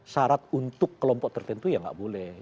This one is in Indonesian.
syarat untuk kelompok tertentu ya nggak boleh